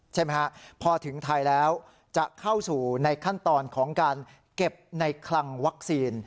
ใช่ไหมฮะพอถึงไทยแล้วจะเข้าสู่ในขั้นตอนของการเก็บในคลังวัคซีน